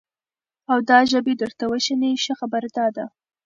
او دا ژبې درته وشني، ښه خبره دا ده،